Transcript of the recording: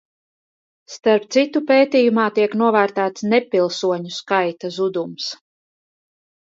Starp citu, pētījumā tiek novērtēts nepilsoņu skaita zudums.